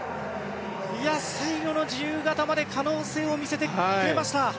最後の自由形まで可能性を見せてくれました。